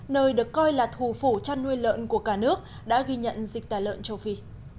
nơi được coi là thủ phủ chăn nuôi lợn của cả nước đã ghi nhận dịch tả lợn châu phi